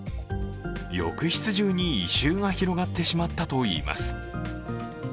浴室中に異臭が広がってしまったといいます。